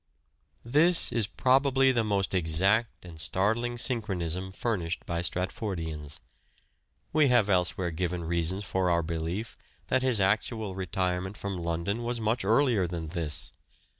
This is probably the most exact and startling synchronism furnished by Stratfordians. We have elsewhere given reasons for our belief that his actual retirement from London was much earlier than this.